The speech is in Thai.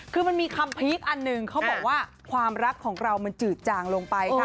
คือมันมีคำพีคอันหนึ่งเขาบอกว่าความรักของเรามันจืดจางลงไปค่ะ